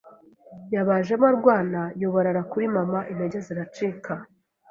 yabajemo arwana yubarara kuri mama intege ziracika